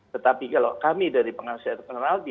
tetapi kalau kami dari pengasas kriminal